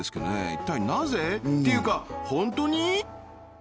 一体なぜ？っていうかホントに！？